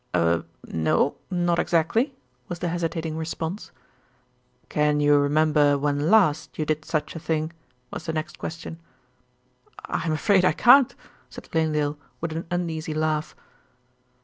"Er no, not exactly," was the hesitating response. "Can you remember when last you did such a thing?" was the next question. "I'm afraid I can't," said Glanedale, with an uneasy laugh.